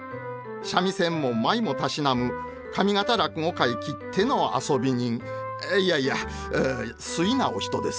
三味線も舞もたしなむ上方落語界きっての遊び人いやいや粋なお人です。